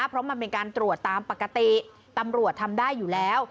เพราะมันเป็นการตรวจตามปกติตำรวจทำได้อยู่แล้ว